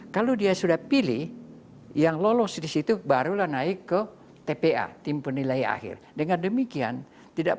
kalau dia sudah pilih yang lolos disitu barulah naik ke tpa tim penilai akhir dengan demikian tidak